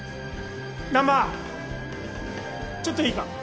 ・難破ちょっといいか。